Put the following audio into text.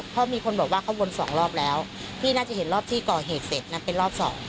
เพราะมีคนบอกว่าเขาวนสองรอบแล้วพี่น่าจะเห็นรอบที่ก่อเหตุเสร็จนะเป็นรอบสอง